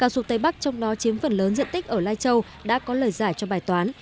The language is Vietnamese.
dù tây bắc trong đó chiếm phần lớn diện tích ở lai châu đã có lời giải cho bài toán